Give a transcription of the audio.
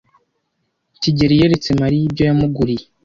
kigeli yeretse Mariya ibyo yamuguriye.